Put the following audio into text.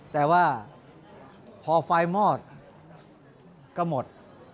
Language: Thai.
แต่ว่าพอไฟมอดก็หมด